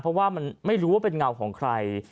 เพราะว่ามันไม่รู้ว่าเป็นเงาของใคร